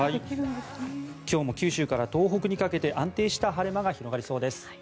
今日も九州から東北にかけて安定した晴れ間が広がりそうです。